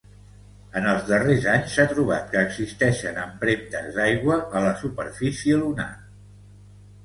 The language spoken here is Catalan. En els darrers anys s'ha trobat que existeixen empremtes d'aigua a la superfície lunar.